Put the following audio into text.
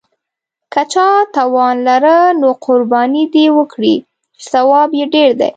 که چا توان لاره نو قرباني دې وکړي، چې ثواب یې ډېر دی.